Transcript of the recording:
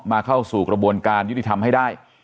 เข้าสู่กระบวนการยุติธรรมให้ได้